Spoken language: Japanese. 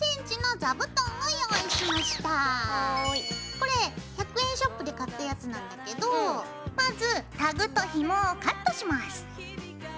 これ１００円ショップで買ったやつなんだけどまずタグとひもをカットします。